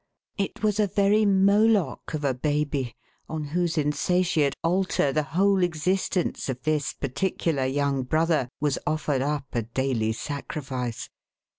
It was a very Moloch of a baby, on whose insatiate altar the whole existence of this particular young brother was offered up a daily sacrifice.